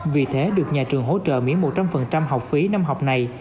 vì thế được nhà trường hỗ trợ miễn một trăm linh học phí năm học này